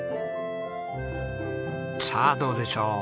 さあどうでしょう？